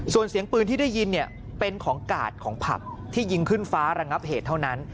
ส่วนเสียงปืนที่ได้ยินเนี่ยเป็นของกาดของผับที่ยิงขึ้นฟ้าระงับเหตุเท่านั้น